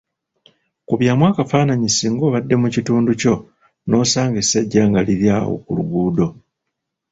Kubyamu akafaananyi singa obadde mu kidduka kyo n‘osanga essajja nga liri awo ku luguudo.